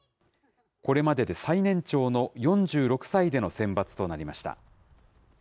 これまでで最年長の４６歳での選抜となりました。